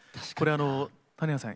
谷原さん